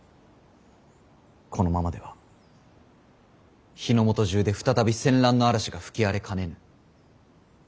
このままでは日本中で再び戦乱の嵐が吹き荒れかねぬ。